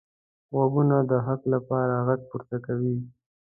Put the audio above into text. غوږونه د حق لپاره غږ پورته کوي